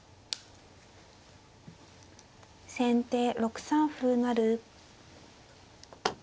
先手６三歩成。